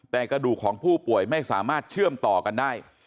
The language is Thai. แต่กระดูกของผู้ป่วยไม่สามารถเชื่อมต่อกันได้